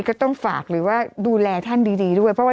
กรมป้องกันแล้วก็บรรเทาสาธารณภัยนะคะ